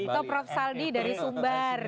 atau prof saldi dari sumber